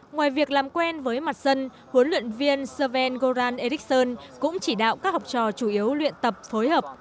ngoài việc làm quen với mặt sân huấn luyện viên serven goran ericsson cũng chỉ đạo các học trò chủ yếu luyện tập phối hợp